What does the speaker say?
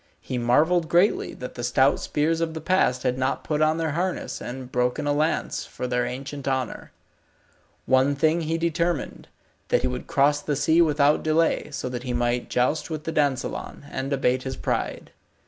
He marvelled greatly that the stout spears of the past had not put on their harness and broken a lance for their ancient honour. One thing he determined, that he would cross the sea without delay, so that he might joust with the dansellon, and abate his pride.